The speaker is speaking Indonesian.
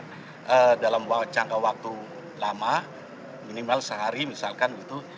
seluruh wilayah atau kediamannya dalam jangka waktu lama minimal sehari misalkan